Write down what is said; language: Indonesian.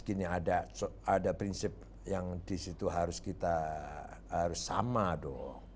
gini ada prinsip yang di situ harus kita sama dong